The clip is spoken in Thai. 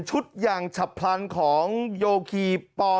ชุดอย่างชะพลันของโยคีปอล์